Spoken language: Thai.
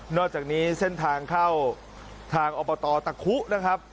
อกจากนี้เส้นทางเข้าทางอบตตะคุนะครับ